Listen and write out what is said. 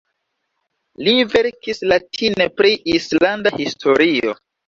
Li verkis latine pri islanda historio.